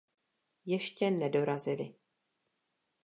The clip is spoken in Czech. Ještě nedorazili.